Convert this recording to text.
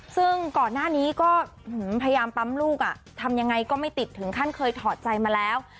ซึ่งก่อนหน้านี้ก็พยายามปั๊มลูกทำยังไงก็ไม่ติดถึงขั้นเคยถอดใจมาแล้ว